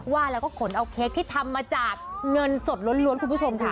ว่าแล้วก็ขนเอาเค้กที่ทำมาจากเงินสดล้วนคุณผู้ชมค่ะ